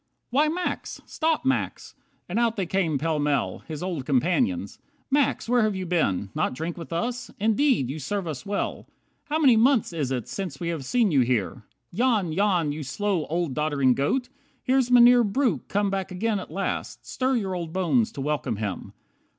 49 "Why, Max! Stop, Max!" And out they came pell mell, His old companions. "Max, where have you been? Not drink with us? Indeed you serve us well! How many months is it since we have seen You here? Jan, Jan, you slow, old doddering goat! Here's Mynheer Breuck come back again at last, Stir your old bones to welcome him.